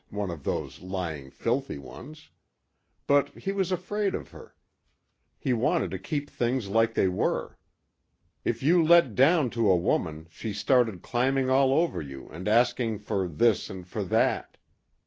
one of those lying, filthy ones. But he was afraid of her. He wanted to keep things like they were. If you let down to a woman she started climbing all over you and asking for this and for that.